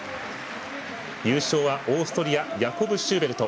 優勝は、オーストリアヤコブ・シューベルト。